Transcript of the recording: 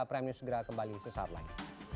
prime news segera kembali sesaat lagi